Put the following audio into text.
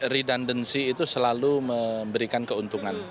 redundancy itu selalu memberikan keuntungan